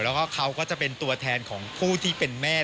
แล้วก็เขาก็จะเป็นตัวแทนของผู้ที่เป็นแม่